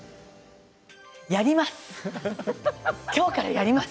やります！